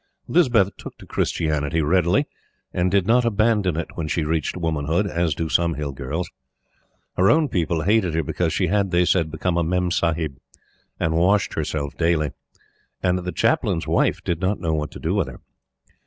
Lispeth took to Christianity readily, and did not abandon it when she reached womanhood, as do some Hill girls. Her own people hated her because she had, they said, become a memsahib and washed herself daily; and the Chaplain's wife did not know what to do with her.